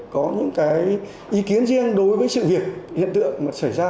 có những ý kiến riêng đối với sự việc hiện tượng xảy ra